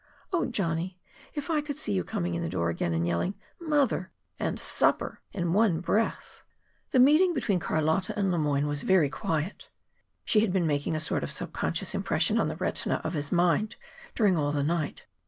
"Oh, Johnny, if I could see you coming in the door again and yelling 'mother' and 'supper' in one breath!" The meeting between Carlotta and Le Moyne was very quiet. She had been making a sort of subconscious impression on the retina of his mind during all the night.